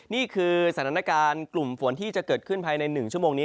นี่คือสถานการณ์กลุ่มฝนที่จะเกิดขึ้นภายใน๑ชั่วโมงนี้